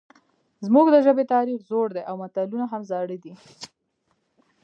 زموږ د ژبې تاریخ زوړ دی او متلونه هم زاړه دي